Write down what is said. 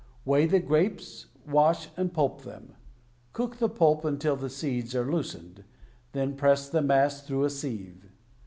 Weigh the grapes, wash and pulp them. Cook the pulp until the seeds are loosened — then press the mass through a sieve.